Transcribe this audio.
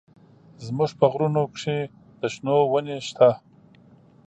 زموږ په غرونو کښې د شنو ونې سته.